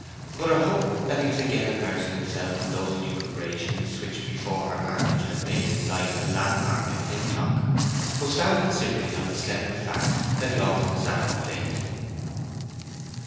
But her hope that he was again immersing himself in those lucubrations which before her marriage had made his light a landmark in Hintock, was founded simply on the slender fact that he often sat up late.